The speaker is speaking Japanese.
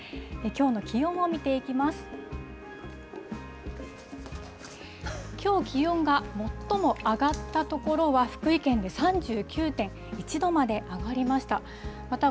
きょう気温が最も上がった所は福井県で、３９．１度まで上がりました。